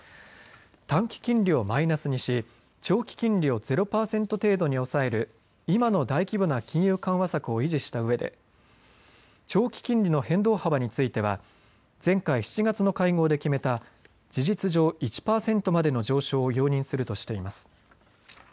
短期金利をマイナスにし長期金利をゼロ％程度に抑える今の大規模な金融緩和策を維持したうえで長期金利の変動幅については前回７月の会合で決めた事実上１％までの上昇を容認するとしています。